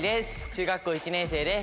中学校１年生です。